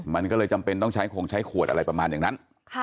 มันก็เลยจำเป็นต้องใช้คงใช้ขวดอะไรประมาณอย่างนั้น